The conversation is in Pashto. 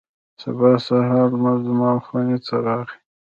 سبا سهار هولمز زما خونې ته راغی.